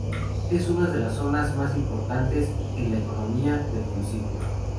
Es una de las zonas más importantes en la economía del municipio.